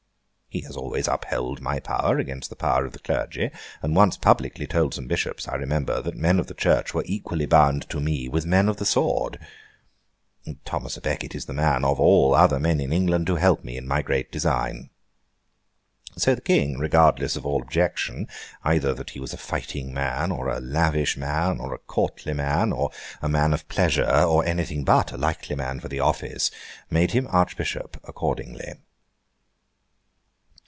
He has always upheld my power against the power of the clergy, and once publicly told some bishops (I remember), that men of the Church were equally bound to me, with men of the sword. Thomas à Becket is the man, of all other men in England, to help me in my great design.' So the King, regardless of all objection, either that he was a fighting man, or a lavish man, or a courtly man, or a man of pleasure, or anything but a likely man for the office, made him Archbishop accordingly.